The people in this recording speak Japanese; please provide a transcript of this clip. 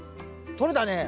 とれたね！